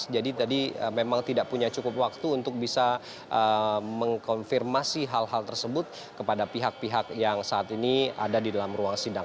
tadi memang tidak punya cukup waktu untuk bisa mengkonfirmasi hal hal tersebut kepada pihak pihak yang saat ini ada di dalam ruang sidang